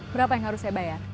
berapa yang harus saya bayar